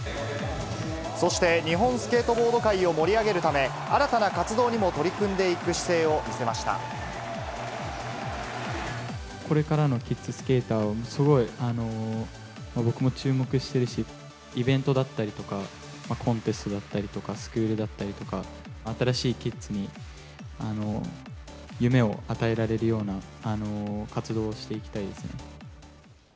そして、日本スケートボード界を盛り上げるため、新たな活動にも取り組んこれからのキッズスケーターを、すごい僕も注目してるし、イベントだったりとか、コンテストだったりとか、スクールだったりとか、新しいキッズに夢を与えられるような活動をしていきたいですね。